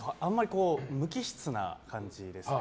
無機質な感じですね。